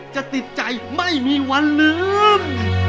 จะติดใจไม่มีวันลืม